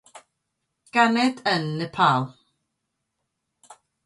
Ganed yn Nepal.